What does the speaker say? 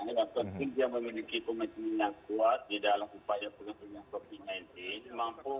yang penting dia memiliki komitmen yang kuat di dalam upaya pengendalian covid sembilan belas